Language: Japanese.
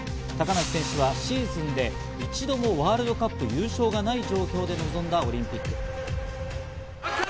高梨選手はシーズンで一度もワールドカップで優勝がない状況で臨んだオリンピック。